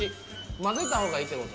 まぜた方がいいってこと？